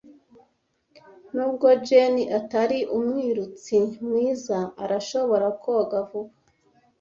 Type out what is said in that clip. Nubwo Jane atari umwirutsi mwiza, arashobora koga vuba.